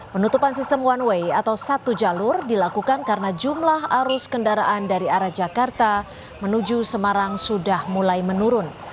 penutupan sistem one way atau satu jalur dilakukan karena jumlah arus kendaraan dari arah jakarta menuju semarang sudah mulai menurun